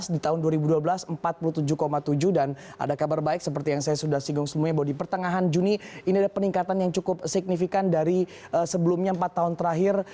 di tahun dua ribu dua belas empat puluh tujuh tujuh dan ada kabar baik seperti yang saya sudah singgung semuanya bahwa di pertengahan juni ini ada peningkatan yang cukup signifikan dari sebelumnya empat tahun terakhir